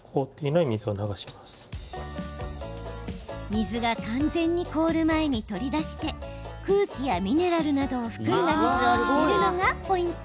水が完全に凍る前に取り出して空気やミネラルなどを含んだ水を捨てるのがポイント。